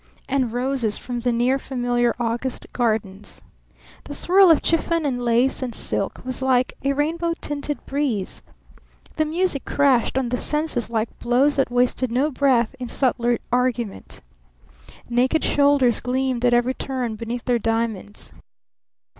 And roses from the near, familiar August gardens! The swirl of chiffon and lace and silk was like a rainbow tinted breeze! The music crashed on the senses like blows that wasted no breath in subtler argument! Naked shoulders gleamed at every turn beneath their diamonds!